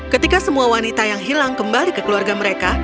ketika semua wanita yang hilang kembali ke keluarga mereka